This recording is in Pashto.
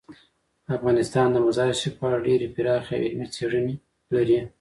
افغانستان د مزارشریف په اړه ډیرې پراخې او علمي څېړنې لري.